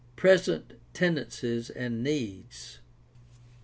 Present tendencies and needs.